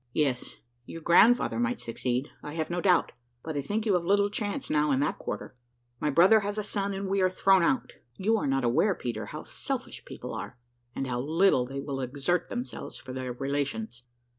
"Yes, your grandfather might succeed, I have no doubt: but I think you have little chance now in that quarter. My brother has a son, and we are thrown out. You are not aware, Peter, how selfish people are, and how little they will exert themselves for their relations.